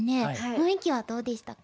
雰囲気はどうでしたか？